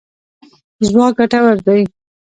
ځواک ګټور دی.